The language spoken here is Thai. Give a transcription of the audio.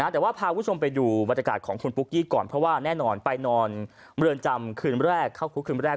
แต่ว่าพาคุณผู้ชมไปดูบรรยากาศของคุณปุ๊กกี้ก่อนเพราะว่าแน่นอนไปนอนเมืองจำคืนแรกเข้าคุกคืนแรก